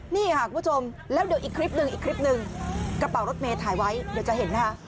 นี่ค่ะคุณผู้ชมแล้วเดี๋ยวอีกคลิปหนึ่งอีกคลิปหนึ่งกระเป๋ารถเมย์ถ่ายไว้เดี๋ยวจะเห็นนะคะ